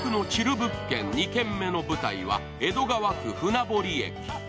物件２軒目の舞台は江戸川区・船堀駅。